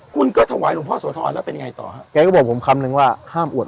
คุณก็ถวายหลวงพ่อโสธรแล้วเป็นไงต่อฮะแกก็บอกผมคำนึงว่าห้ามอวด